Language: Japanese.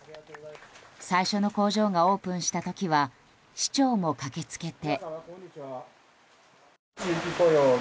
最初の工場がオープンした時は市長も駆けつけて。